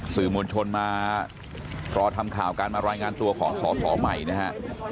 สื่อมวลชนมารอทำข่าวการมารายงานตัวของสอสอใหม่นะฮะ